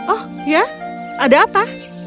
oh ya ada apa